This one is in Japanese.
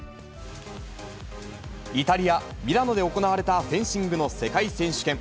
イタリア・ミラノで行われたフェンシングの世界選手権。